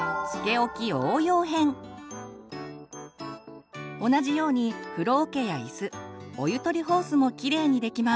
同じように風呂おけやイスお湯取りホースもキレイにできます。